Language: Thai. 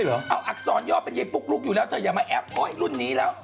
เมียเหมือนไอ้ปุ๊กลุ๊กอยู่แล้วเธอยังมาแอบลุ้นนี้แล้ว